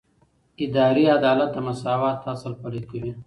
اداري عدالت د مساوات اصل پلي کوي.